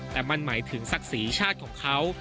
แต่มันหมายถึงศักดิ์ศรีชาติของเขา